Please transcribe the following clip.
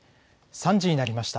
３時になりました。